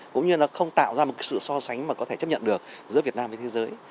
cũng như nó không tạo ra một sự so sánh mà có thể chấp nhận được giữa việt nam với thế giới